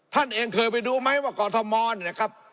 ท่านเองเคยไปดูไหมว่ากรทมนะครับ